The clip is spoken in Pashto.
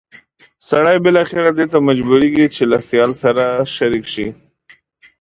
سړی بالاخره دې ته مجبورېږي چې له سیال سره شریک شي.